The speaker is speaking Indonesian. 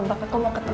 makasih construir aku